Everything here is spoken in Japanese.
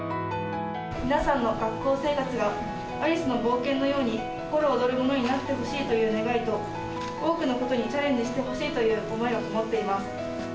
皆さんの学校生活が、アリスの冒険のように心躍るものになってほしいという願いと、多くのことにチャレンジしてほしいという思いが込もっています。